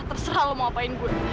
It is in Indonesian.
terserah lo mau apain gue